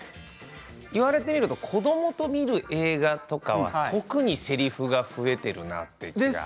言われてみると子どもと見る映画とかは特にせりふが増えているなって。